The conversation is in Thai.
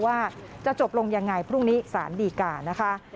ว่าจะจบลงยังไงพรุ่งนี้สารดีการนะคะ